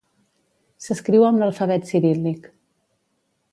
S'escriu amb l'alfabet ciríl·lic.